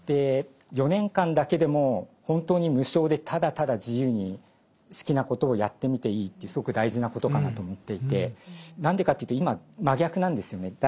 ４年間だけでも本当に無償でただただ自由に好きなことをやってみていいってすごく大事なことかなと思っていて何でかっていうと今真逆なんですよね。